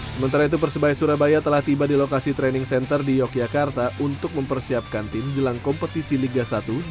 sementara itu persibaya surabaya telah tiba di lokasi training center di yogyakarta untuk mempersiapkan tim jelang kompetisi liga satu dua ribu dua puluh tiga dua ribu dua puluh empat